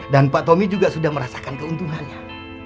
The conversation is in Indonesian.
dan pak tommy juga sudah merasakan keuntungannya